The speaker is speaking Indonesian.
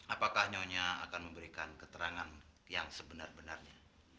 apakah nyonya akan memberikan keterangan yang sebenar benarnya